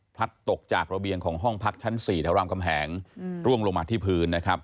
พัดตกจากระเบียงของห้องพัดชั้น๔แถวร่างกำแหงร่วงลงมาที่พื้น